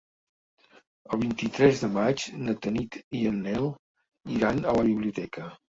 El vint-i-tres de maig na Tanit i en Nel iran a la biblioteca.